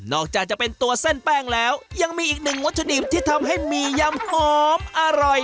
อกจากจะเป็นตัวเส้นแป้งแล้วยังมีอีกหนึ่งวัตถุดิบที่ทำให้มียำหอมอร่อย